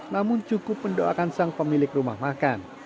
namun cukup mendoakan sang pemilik rumah makan